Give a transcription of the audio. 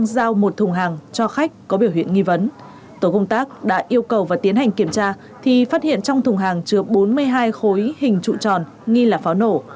cho một thùng hàng cho khách có biểu hiện nghi vấn tổ công tác đã yêu cầu và tiến hành kiểm tra thì phát hiện trong thùng hàng chứa bốn mươi hai khối hình trụ tròn nghi là pháo nổ